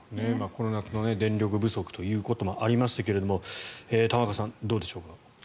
この夏の電力不足ということもありましたけど玉川さん、どうでしょうか。